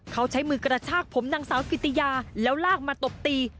เขาใช้มือกระชากผมนางสาวกิติยาแล้วลากมาตบตี